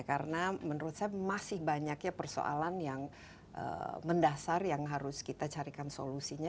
karena menurut saya masih banyaknya persoalan yang mendasar yang harus kita carikan solusinya